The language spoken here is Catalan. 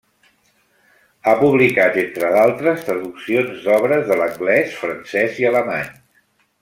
Ha publicat, entre d'altres, traduccions d'obres de l'anglès, francès i alemany.